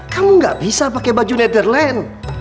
kamu gak bisa pakai baju letherland